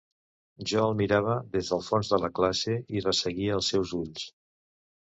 Jo el mirava, des del fons de la classe, i resseguia els seus ulls.